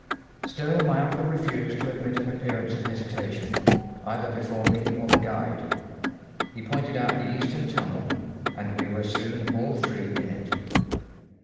Still my uncle refused to admit an appearance of hesitation, either before me or the guide; he pointed out the Eastern tunnel, and we were soon all three in it.